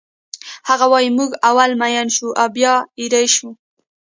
هغه وایی موږ اول مین شو او بیا ایرې شو